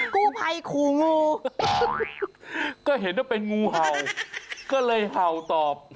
กู้ภัยขู่งูก็เห็นว่าเป็นงูเห่าก็เลยเห่าตอบ